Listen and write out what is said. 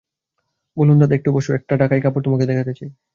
বললুম, দাদা, একটু বোসো, একটা ঢাকাই কাপড় তোমাকে দেখাতে চাই।